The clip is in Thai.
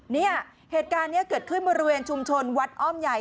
เนี่ยเหตุการณ์นี้เกิดขึ้นบริเวณชุมชนวัดอ้อมใหญ่